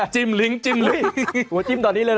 ลิ้งจิ้มลิ้งหัวจิ้มตอนนี้เลย